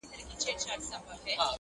خر که هر څه په ځان غټ وو په نس موړ وو!!